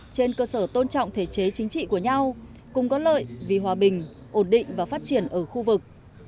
trên cơ sở tôn trọng thể chế chính trị của nhau cùng có lợi vì hòa bình ổn định và phát triển ở khu vực